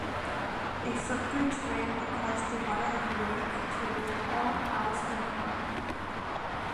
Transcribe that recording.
A footbridge ran across the Water of Leith to Woodhall House and farm.